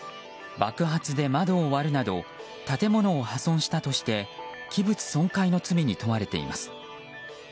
爆発で窓を割るなど建物を破損したとして器物損壊の罪に問われています。